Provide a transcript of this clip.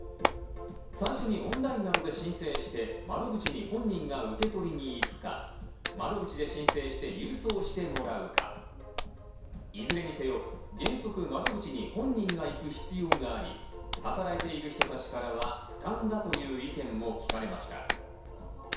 最初にオンラインなどで申請して窓口に本人が受け取りに行くか、窓口で申請して郵送してもらうか、いずれにせよ原則、窓口に本人が行く必要があり、働いている人たちからは負担だという意見も聞かれました。